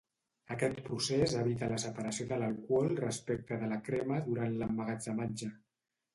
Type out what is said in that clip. Aquest procés evita la separació de l'alcohol respecte de la crema durant l'emmagatzematge.